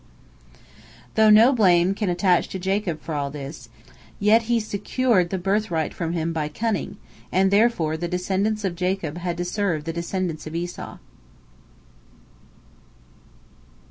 Though no blame can attach to Jacob for all this, yet he secured the birthright from him by cunning, and therefore the descendants of Jacob had to serve the descendants of Esau.